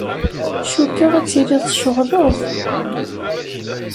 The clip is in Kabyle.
Cukkeɣ ad tiliḍ tceɣleḍ.